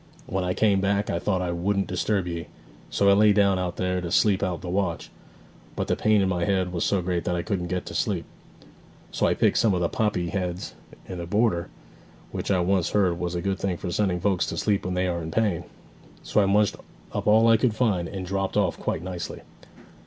When I came back I thought I wouldn't disturb ye: so I lay down out there, to sleep out the watch; but the pain in my head was so great that I couldn't get to sleep; so I picked some of the poppy heads in the border, which I once heard was a good thing for sending folks to sleep when they are in pain. So I munched up all I could find, and dropped off quite nicely.'